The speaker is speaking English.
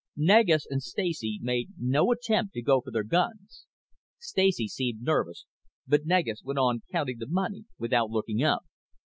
Negus and Stacy made no attempt to go for their guns, Stacy seemed nervous but Negus went on counting the money without looking up.